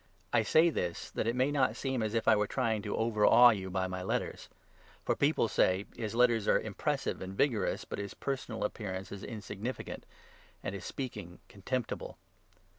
I say this, that it may not seem as if I were trying 9 to overawe you by my letters. For people say " His letters are 10 impressive and vigorous, but his personal appearance is in significant and his speaking contemptible."